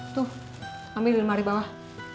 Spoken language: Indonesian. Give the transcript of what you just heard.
tuh ambil di lemari bawah